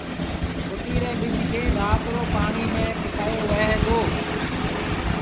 ڦٽيٚ ري ٻج کي رآت رو پآڻيٚ ميݩ پُسآيو وهي دو